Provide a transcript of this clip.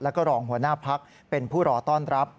แล้วก็รองหัวหน้าพักเป็นผู้รอต้อนรับ